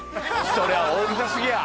そりゃ大げさ過ぎや。